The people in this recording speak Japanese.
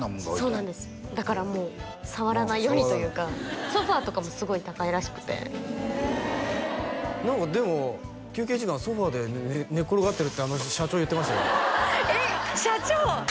そうなんですだからもう触らないようにというかソファーとかもすごい高いらしくて何かでも休憩時間ソファーで寝っ転がってるって社長言ってましたよえっ社長！